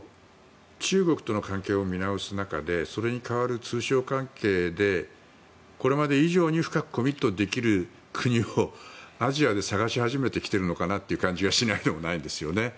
中国との関係を見直す中でそれに代わる通商関係でこれまで以上に深くコミットできる国をアジアで探し始めているのかなという感じがしないでもないんですよね。